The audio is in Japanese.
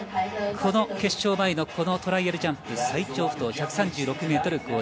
この決勝前のトライアルジャンプ最長不倒１３６ｍ５０。